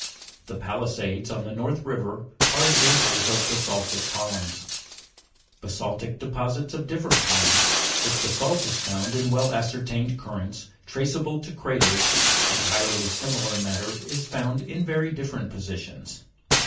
"The palisades" on the North River are examples of basa'ltic columns. 3. Basa'ltic deposits of different kinds. If basa'lt is found in well ascertained currents, traceable to craters, entirely similar matter is found in very different positions.